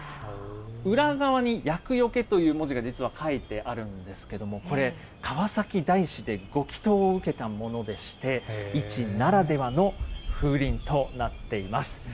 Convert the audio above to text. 裏側に厄除という文字が実は書いてあるんですけども、これ、川崎大師でご祈とうを受けたものでして、市ならではの風鈴となっています。